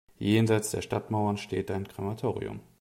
Jenseits der Stadtmauern steht ein Krematorium.